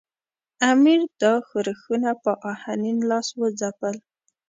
امیر دا ښورښونه په آهنین لاس وځپل.